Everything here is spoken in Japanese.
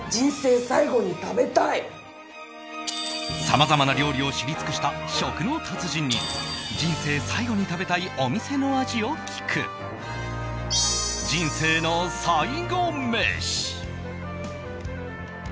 さまざまな料理を知り尽くした食の達人に人生最後に食べたいお店の味を聞く、人生の最後メシ。